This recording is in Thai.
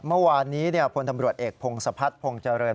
เมื่อวานนี้พลตำรวจเอกพงศพัฒนภงเจริญ